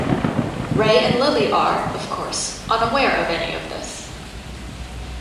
Ray and Lily are, of course, unaware of any of this.